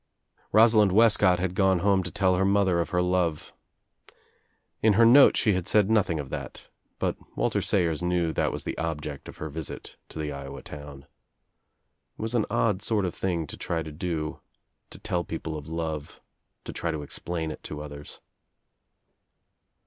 Rosalind Wescott had gone home to tell her mother of her love. In her note she had said nothing of that but Walter Sayers knew that was the object of her 226 THE TRIUMPH OF THE EGG visit to the Iowa town. It was on odd sort of thin to try to do — to tell people of love, to try to expUi it to others.